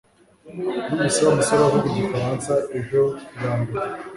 Numvise Wa musore avuga igifaransa ejo bwa mbere